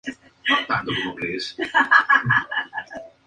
El San Francisco Chronicle dijo "Pro.